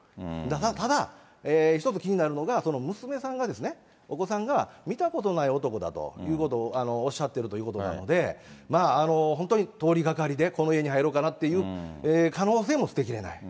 ただ、一つ気になるのが、娘さんが、お子さんが、見たことない男だということをおっしゃってるということなので、本当に通りがかりで、この家に入ろうかなという可能性も捨てきれない。